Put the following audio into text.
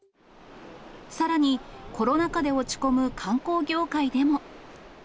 さらに、コロナ禍で落ち込む観光業界でも。